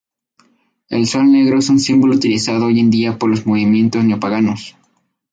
El sol negro es un símbolo utilizado hoy en día por los movimientos neopaganos.